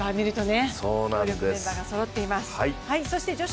強力メンバーがそろっています。